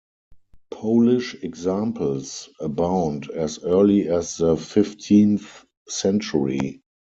Polish examples abound as early as the fifteenth century.